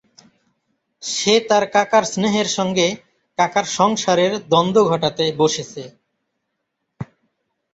সে তার কাকার স্নেহের সঙ্গে কাকার সংসারের দ্বন্দ্ব ঘটাতে বসেছে।